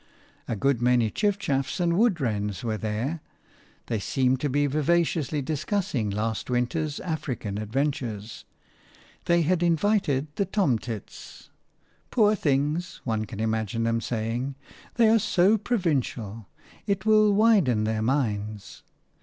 A good many chiff chaffs and wood wrens were there; they seemed to be vivaciously discussing last winter's African adventures. They had invited the tomtits. "Poor things," one can imagine them saying, "they are so provincial; it will widen their minds."